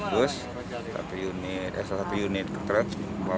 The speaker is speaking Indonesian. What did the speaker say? bus satu unit truk